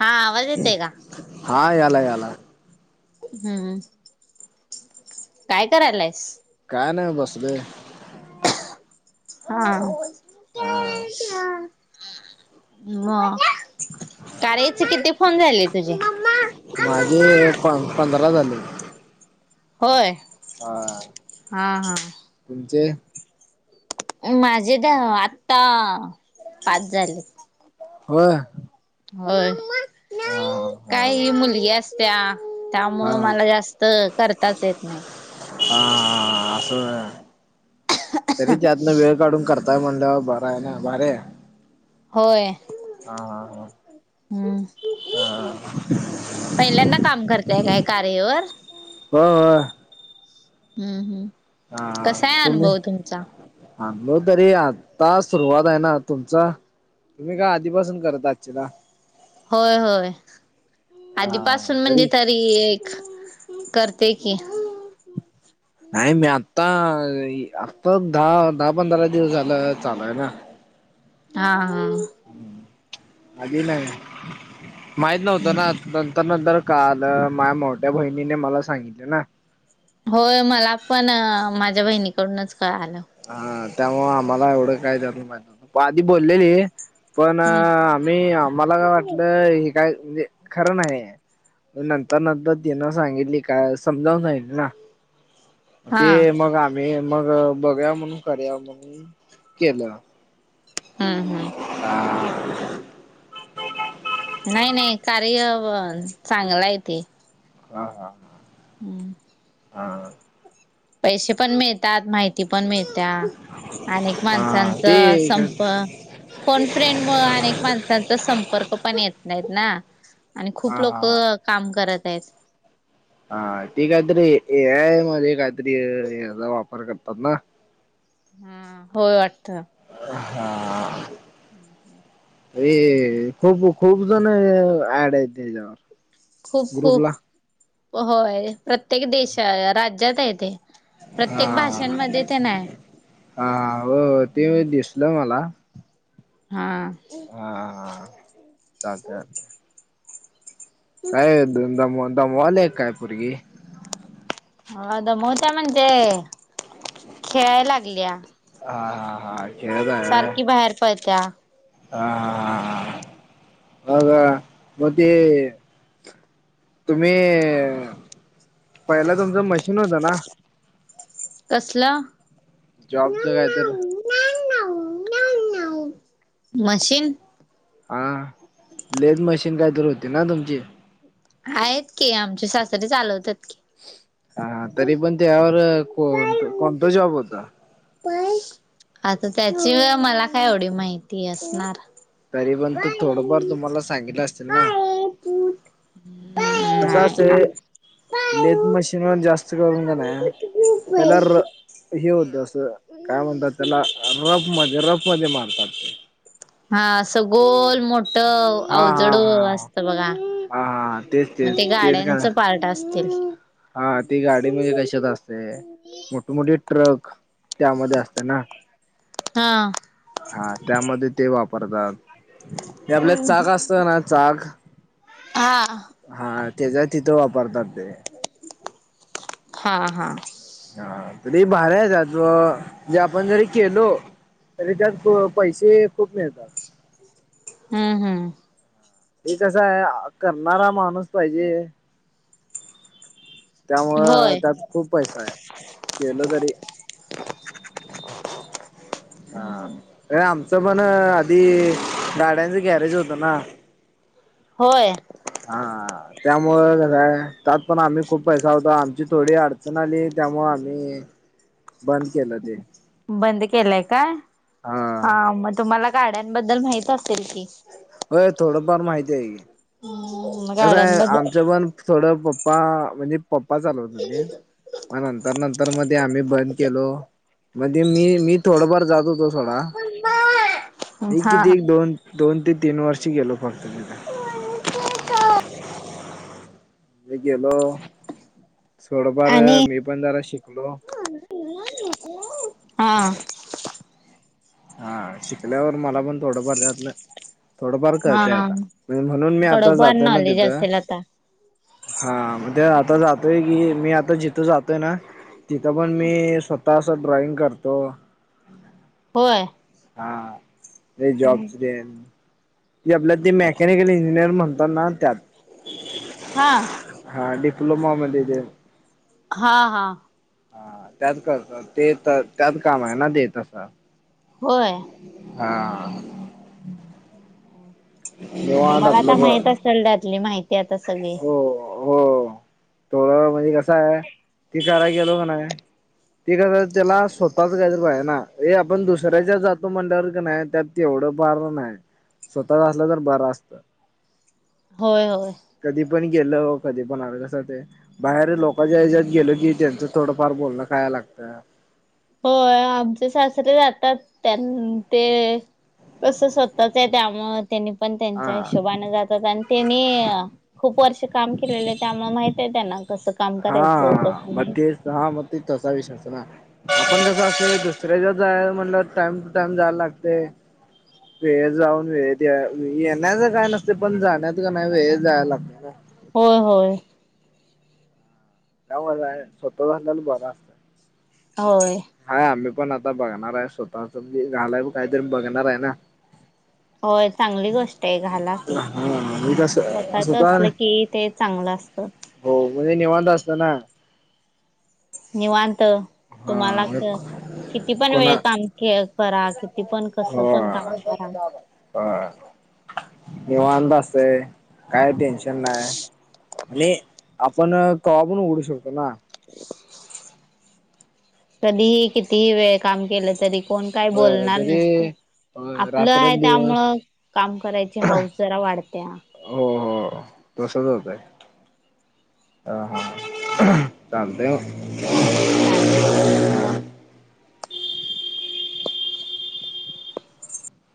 हा आवाज येतोय का? हा याला याला हम्म काय करायलायस. काय नाही बसले. हा हा मग करायचे किती फोन झाले तुझे माझे प पंधरा झाली. होय हा हा.. तुमचे माझे द आत्ता पाच झाले. हो होय हा काही मुलगी असत्या. हा त्यामुळं मला जास्त करताच येत नाही. हा हा असं तरी त्यातन वेळ काढून करत. काय मंडा बराय ना बार्या [inaudible] होय. हा हा हा हम् पहिल्यांदा काम करताय काय कार्यवर हो वा हम्म हम् कसाय अनुभव तुमचा आणांलो तरी आता सुरुवात आहे ना तुमचा तुम्ही का आधीपासून करत असंचीला. होय होय हा आधीपासून म्हणजे तरी तर एक करते की नाही मी आत्ता आता दहा दहा पंधरा दिवस झाला चालूय ना हा हा आधी नाही माहीत नव्हतं ना आता नंतर काल माझ्या मोठ्या बहिणीने मला सांगितले ना होय मला पण माझ्या बहिणीकडूनच कळालं हा त्यामुळं आम्हाला एवढं काय त्यातलं माहित नव्हतं पण आधी बोललेली पण हम्म आम्ही आम्हाला काय वाटलं हे काय म्हणजे खरं नाही आहे नंतर नंतर तिनं सांगितली काय समजावून सांगितले ना हा ते मग आम्ही मग बघूया म्हणून करूया म्हणून केलं हम् हम् ह नाही नाही कार्य चांगलं आहे ते हा हा हम्म हां पैसे पण मिळतात माहिती पण मिळत्या अनेक हा माणसांचं ते काय संप फोन फ्रेंड मुळं अनेक माणसांचा संपर्क पण येत नाहीत ना आणि हा खूप हा लोक हा. काम करत आहेत हा ते काहीतरी हे ए आय मध्ये काहीतरी याचा वापर करतात ना हम् होय वाटत हां हम्म हम्म ए खूप खूप जण ऍड आहेत ह्याच्यावर खूप खूप होय प्रत्येक देशा राज्यात आहे ते हा प्रत्येक भाषांमध्ये ते नाही हा हो ते दिसल मला हा हा हा चालतंय चालतंय काय दम दमवालय काय पुरगी हो दमवत्या म्हणजे खेळाय लागल्या हा हा हा खेळत आहे व्हय. सारखी बाहेर पळत्या हा आ मग मग ते तुम्ही पहिलं तुमच मशी न होता ना कसलं जॉबच काय तर मशीन हा लेथ मशीन काहीतर होती ना तुमची आहेत की आमचे सासरीे चालवतात की हा तरी पण त्यावर कोण कोणता जॉब होता आता त्याची मला काय एवढी माहिती असणार तरी पण ते थोडंफार तुम्हाला सांगितलं असेल ना कसं हम्म, असंतय लेज नाही मशीनवर जास्त करून कणी पहिला र हे होत असं काय म्हणतात त्याला रफ म रफ मध्ये मारतात. ते. हा सगोल मोठ हा हा अवजड हा अस बघा हा हा तेच मग तेच ते तेच का गाड्यांचं पार्ट असतील. हा ती गाडी म्हणजे कशात असते मोठ मोठीे ट्रक त्यामध्ये असते ना हा. हा त्यामध्ये ते वापरतात. हे आपल्यात चाक असत ना चाक हा. हा त्याच्या तिथं वापरतात ते हा हा! हा ते भारी हाय ज्याचो, जे आपण जरी केलो तरी त्यात प पैसे खूप मिळतात. हम्म हम्म हे कसं आहे करणारा माणूस पाहिजे. त्यामुळं होय त्यात खूप पैसा आहे केल तरी हा अ आमचं पण आधी गाड्यांचं गॅरेज होतं ना होय! आ! त्यामूळ कसय त्यात पण आम्ही खूप पैसा होता आमची थोडी अडचण आली त्यामूळ आम्ही [inaudible] बंद केल! बंद केलाय काय हा मग तुम्हाला गाड्यांबद्दल माहित असेल की. व्हय थोडंफार माहित आहे की. हम्म कसय गाड्यांबद्दल आमचं पण थोडं पप्पा म्हणजे पप्पा चालवत होतीत पण तर नंतर मध्ये आम्ही बंद केलो. मधी मी मी थोडाफार जात होतो सोडा एक हा. किती एक, दोन दोन ते तीन वर्षी गेलो फक्त मी गेलो थोडफार आणि मी पण जरा शिकलो हा! हा शिकल्यावर मला पण थोडंफार त्यातलं थोडंफार कळतय हा आता म्हणजे म्हणून मी आता थोडं फार जातोय ना नॉलेज तिथं असेल आता हा म ते आता जातोय की मी आता जिथं जातोय ना तिथं पण मी स्वतः अस ड्रॉइंग करतो. होय! हा ते जॉबच तेन ते आपल्या ते मेकॅनिकल इंजिनिअर म्हणतात ना त्यात हा! हा डिप्लोमा मध्ये तेन हा हा! हा त्यात कळत ते तर त्यात काम आहे ना ते तस होय. हा! निवांत तुम्हाला आता आपलं ब माहीत असल त्यातली माहिती आता सगळी हो! थोडं हो म्हणजे कस हाय मी कराय गेलो कन्हाय ते कस त्याला स्वतःच गॅरेज पाहिजे ना हे आपण दुसऱ्याच्या जातो म्हंटल्यावर कन्हाय तेवढं बार नाही स्वतःच असलं तर बरं असत. होय होय. कधी पण गेल कधी पण आल कसं असतंय बाहेरील लोकाच्या ह्याच्यात गेलो की त्यांच थोडंफार बोलण खाया लागतं. होय आमचे सासरे जातात त्यांन ते कसं स्वतःच आहे त्यामुळ त्यांनी पण त्यांच्या हा हिशोबाने जातात आणि त्यांनी खूप वर्ष काम केलेलं त्यामुळे माहित आहे त्यांना कसं काम करायचं हा कसं मग नाही. तेच हा मग ती तसाच विश्वास नाही. आपण जसं असं दुसऱ्याच्यात जायाच म्हटलं टाइम टू टाइम जायला लागते. वेळेत जाऊन वेळेत या येण्याच काय नसते पण जाण्यात कन्हाय वेळेत जायला लागते ना. होय होय! त्यामुळं कस हाय स्वतःच असल्याल बर हाय. होय. हाय आम्ही पण आता बघणार आहे स्वतःच मी घालाय काहीतरी बघणार आहे ना. होय चांगली गोष्ट आहे घाला. हा म्हणजे कस स्वतःच असलं की ते चांगलं असत. हो म्हणजे निवांत असत ना. निवांत हा तुम्हालाच किती पण कोणा वेळ काम करा किती पण कसं पण काम करा. ह निवांत असतय काय टेन्शन नाही. आणि आपण कवाबण उघडू शकतो ना. [inaudible] [unintelligible] कधीही कितीही वेळ काम केलं तरी कोण काय हो बोलणार तरी नसते. अ आपलं आहे रात्रंदिवस त्यामुळं काम करायचे हौस जरा वाढते. हो हो तसच होतय. ह हा ते हो [unintelligible] [inaudible] चालते चालते.